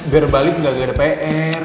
gara balik gak ada pr